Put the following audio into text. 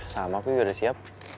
sama aku juga udah siap